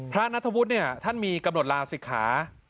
นัทธวุฒิเนี่ยท่านมีกำหนดลาศิกขา